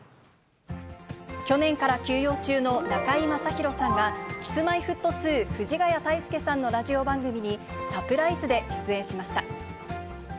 去年から休養中の中居正広さんが、Ｋｉｓ−Ｍｙ−Ｆｔ２・藤ヶ谷太輔さんのラジオ番組に、サプライズで出演しました。